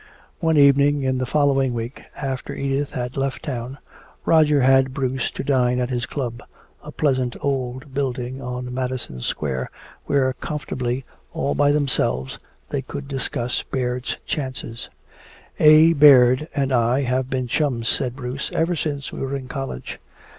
One evening in the following week, after Edith had left town, Roger had Bruce to dine at his club, a pleasant old building on Madison Square, where comfortably all by themselves they could discuss Baird's chances. "A. Baird and I have been chums," said Bruce, "ever since we were in college.